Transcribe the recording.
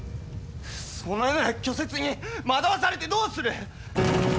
そのような虚説に惑わされてどうする！